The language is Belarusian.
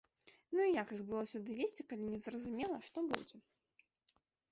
Ну і як іх было сюды везці, калі не зразумела, што будзе?